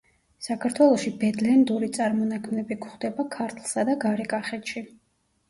საქართველოში ბედლენდური წარმონაქმნები გვხვდება ქართლსა და გარეკახეთში.